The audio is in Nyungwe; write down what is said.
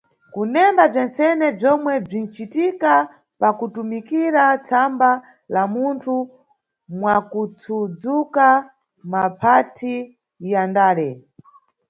Kunemba bzentsene bzomwe bzinʼcitika pakutumikira tsamba la munthu mwakutsudzuka, maphathi ya ndale.